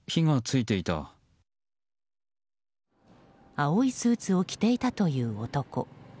青いスーツを着ていたという男。